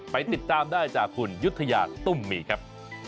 ไปติดตามได้จากคุณยุธยาตุ้มมีครับ